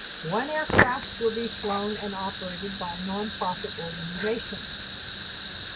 One aircraft will be flown and operated by a non-profit organization.